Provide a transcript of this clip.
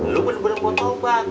lu bener bener mau tobat